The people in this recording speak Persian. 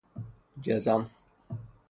جذم